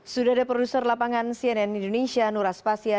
sudah ada produser lapangan cnn indonesia nur aspasya